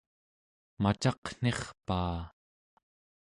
macaqnirpaa